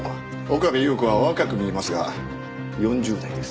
岡部祐子は若く見えますが４０代です。